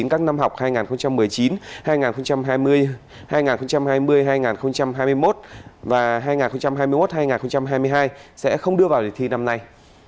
các năm học hai nghìn một mươi chín hai nghìn hai mươi hai nghìn hai mươi một và hai nghìn hai mươi một hai nghìn hai mươi hai sẽ không đưa vào đề thi năm nay